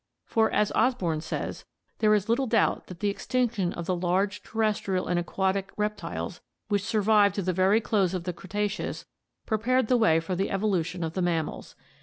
For, as Osborn says :" There is little doubt that the extinction of the large terrestrial and aquatic reptiles, which sur vived to the very close of the Cretaceous, prepared the way for the evolution of the mammals.